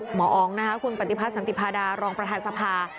หมออองนะคะคุณปฏิพัฒสันติพาดารองประธานสภา